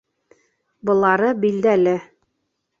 — Былары билдәле.